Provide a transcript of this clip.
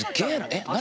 えっ何？